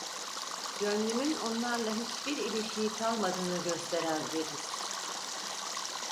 Gönlümün onlarla hiçbir ilişiği kalmadığını gösteren bir his…